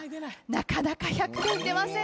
なかなか１００点出ません。